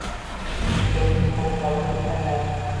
Bu shunchaki quruq va’da bo‘lmagani